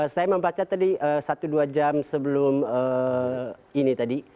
saya membaca tadi satu dua jam sebelum ini tadi